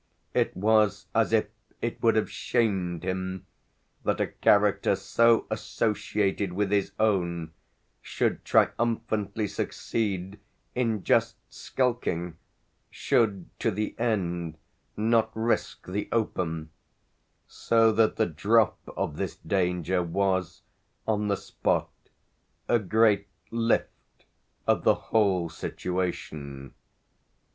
It was as if it would have shamed him that a character so associated with his own should triumphantly succeed in just skulking, should to the end not risk the open; so that the drop of this danger was, on the spot, a great lift of the whole situation.